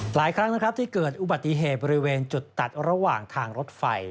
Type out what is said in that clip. หลายครั้งนะครับที่เกิดอุบัติเหตุบริเวณจุดตัดระหว่างทางรถไฟ